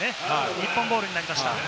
日本ボールになりました。